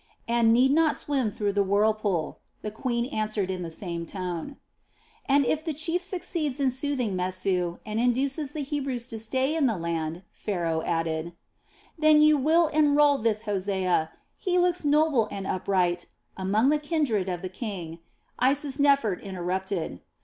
"And need not swim through the whirlpool," the queen answered in the same tone. "And if the chief succeeds in soothing Mesu, and induces the Hebrews to stay in the land," Pharaoh added: "Then you will enrol this Hosea he looks noble and upright among the kindred of the king," Isisnefert interrupted.